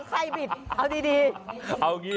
คนบิดหรือไข่บิดเอาดี